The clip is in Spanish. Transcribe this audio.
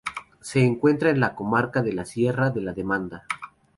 Se encuentra en la comarca de la Sierra de la Demanda.